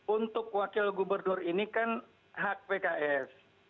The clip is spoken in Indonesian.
untuk wakil gubernur ini kan hak pks